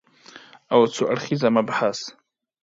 او څو اړخیز مبحث دی